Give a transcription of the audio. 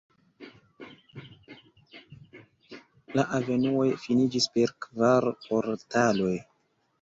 La avenuoj finiĝis per kvar portaloj.